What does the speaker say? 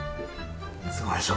すごいでしょ。